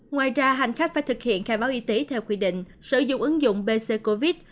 ngoài ra hành khách phải thực hiện khai báo y tế theo quy định sử dụng ứng dụng bc covid